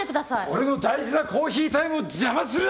俺の大事なコーヒータイムを邪魔するな！